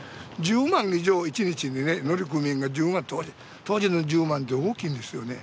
１０万以上１日でね乗組員が１０万当時の１０万って大きいんですよね